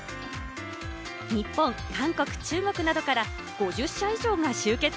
日本、韓国、中国などから５０社以上が集結。